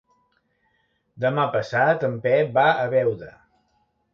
Demà passat en Pep va a Beuda.